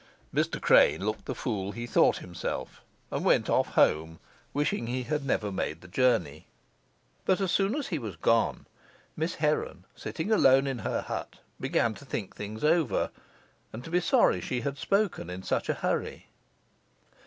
Mr. Crane looked the fool he thought himself, and went off home, wishing he had never made the journey. But as soon as he was gone, Miss Heron, sitting alone in her hut, began to think things over and to be sorry she had spoken in such a hurry.